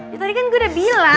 ya tadi kan gue udah bilang